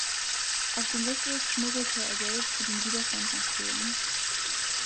Auf dem Rückweg schmuggelte er Geld für den Widerstand nach Polen.